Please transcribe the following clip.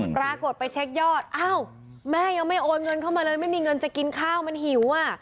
ปรากฏไปเช็คยอดอ้าวแม่ยังไม่โอนเงินเข้ามาเลยไม่มีเงินจะกินข้าวมันหิวอ่ะ